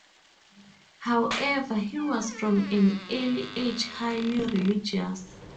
However, he was from an early age highly religious.